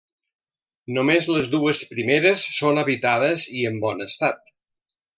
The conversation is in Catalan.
Només les dues primeres són habitades i en bon estat.